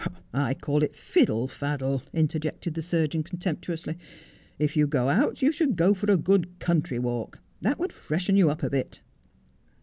' I call it fiddle faddle,' interjected the surgeon con temptuously. ' If you go out you should go for a good country walk. That would freshen you up a bit.'